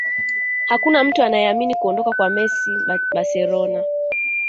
Hakuna mtu anayeamini kuondoka kwa messi barcelona